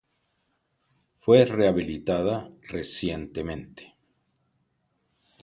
Fue rehabilitada recientemente.